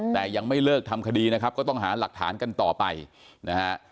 แต่ยังไม่เลิกทำคดีนะครับก็ต้องหาหลักฐานกันต่อไปนะฮะ